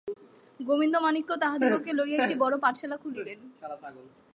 গোবিন্দমাণিক্য তাহাদিগকে লইয়া একটা বড়ো পাঠশালা খুলিলেন।